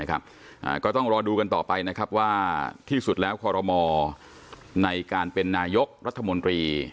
ก็ต้องรอดูกันต่อไปนะครับว่าที่สุดแล้วคอรมอในการเป็นนายกรัฐมนตรี